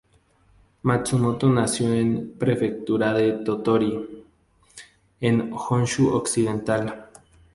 Matsumoto nació en Prefectura de Tottori, en Honshu occidental.